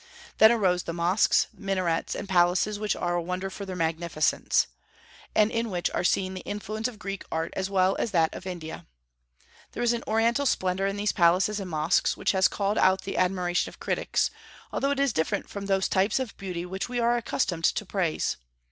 Then arose the mosques, minarets, and palaces which are a wonder for their magnificence, and in which are seen the influence of Greek art as well as that of India. There is an Oriental splendor in these palaces and mosques which has called out the admiration of critics, although it is different from those types of beauty which we are accustomed to praise.